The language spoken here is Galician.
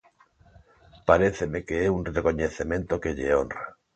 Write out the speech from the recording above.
Paréceme que é un recoñecemento que lle honra.